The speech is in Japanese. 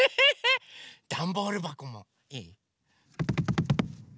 ダンボールばこもいいよ。